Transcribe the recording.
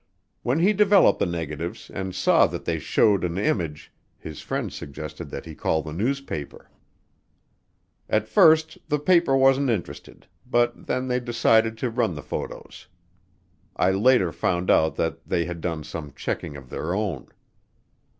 When he developed the negatives and saw that they showed an image, his friend suggested that he call the newspaper. At first the paper wasn't interested but then they decided to run the photos. I later found out that they had done some checking of their own.